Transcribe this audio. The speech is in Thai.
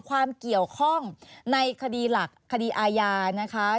ความเกี่ยวข้องในคดีหลักคดีอาญานะคะ